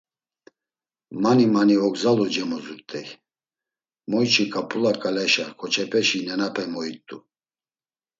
Mani mani ogzalu cemozurt̆ey, moyçi ǩap̌ula ǩaleşa ǩoçepeşi nenape moit̆u.